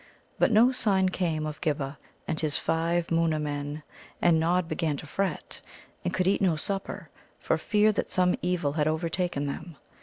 But no sign came of Ghibba and his five Moona men, and Nod began to fret, and could eat no supper, for fear that some evil had overtaken them.